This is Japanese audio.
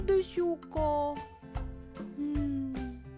うん。